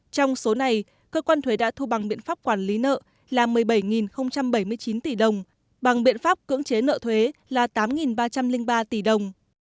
trong số này cơ quan thuế đã thu bằng biện pháp quản lý nợ là một mươi bảy bảy mươi chín tỷ đồng bằng biện pháp cưỡng chế nợ thuế là tám ba trăm linh ba tỷ đồng